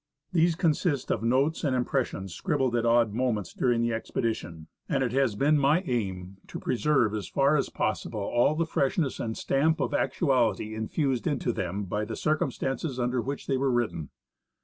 These consist of notes and impressions scrib bled at odd moments during the expedition, and it has been my aim to preserve as far as possible all the freshness and stamp of actuality infused into them by the circumstances under which they were written.